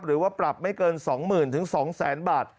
หรือว่าปรับไม่เกิน๒๐๐๐๒๐๐๐๐บาท